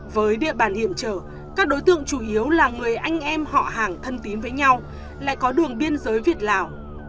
với địa bàn hiểm trở các đối tượng chủ yếu là người anh em họ hàng thân tín với nhau lại có đường biên giới việt lào